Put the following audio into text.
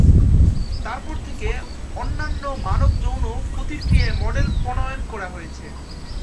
তারপর থেকে, অন্যান্য মানব যৌন প্রতিক্রিয়া মডেল প্রণয়ন করা হয়েছে।